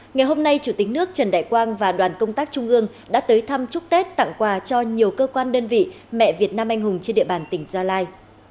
ngày hôm nay chủ tịch nước trần đại quang và đoàn công tác trung ương đã tới thăm chúc tết tặng quà cho nhiều cơ quan đơn vị mẹ việt nam anh hùng trên địa bàn tỉnh gia lai